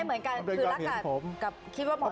ไม่เหมือนกันคือรักกับคิดว่าเห็นผม